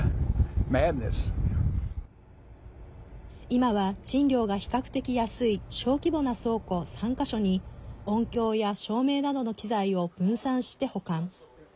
今は、賃料が比較的安い小規模な倉庫３か所に音響や照明などの機材を分散して保管。